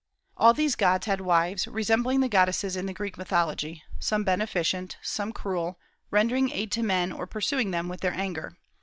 All these gods had wives resembling the goddesses in the Greek mythology, some beneficent, some cruel; rendering aid to men, or pursuing them with their anger.